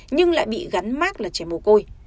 nhưng lại bị gắn mát là trẻ mồ côi